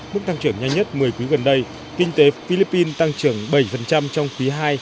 bước tăng trưởng nhanh nhất một mươi quý gần đây kinh tế philippines tăng trưởng bảy trong quý hai